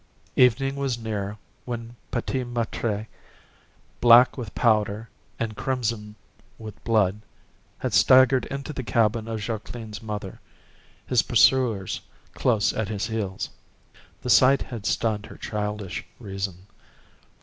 Evening was near when P'tit Maître, black with powder and crimson with blood, had staggered into the cabin of Jacqueline's mother, his pursuers close at his heels. The sight had stunned her childish reason.